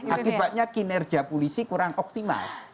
akibatnya kinerja polisi kurang optimal